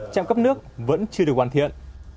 trạm cấp nước vẫn chưa được hoàn thiện